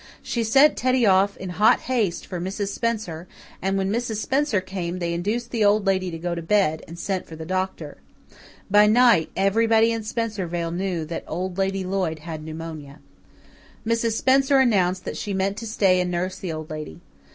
She sent Teddy off in hot haste for Mrs. Spencer and when Mrs. Spencer came they induced the Old Lady to go to bed, and sent for the doctor. By night everybody in Spencervale knew that Old Lady Lloyd had pneumonia. Mrs. Spencer announced that she meant to stay and nurse the Old Lady.